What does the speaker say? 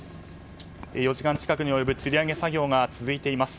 ４時間近くに及ぶつり上げ作業が続いています。